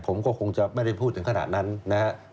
ผมก็คงจะไม่ได้พูดถึงขนาดนั้นนะครับ